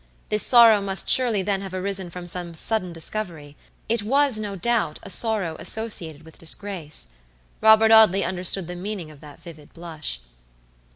This sorrow must surely then have arisen from some sudden discovery; it was, no doubt, a sorrow associated with disgrace. Robert Audley understood the meaning of that vivid blush.